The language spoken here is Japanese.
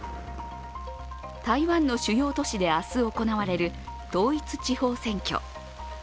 台湾の主要都市で明日行われる統一地方選挙。